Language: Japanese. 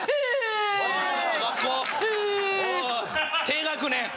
低学年。